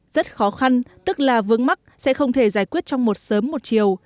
rất khó khăn tức là vương mắc sẽ không thể giải quyết trong một sớm một chiều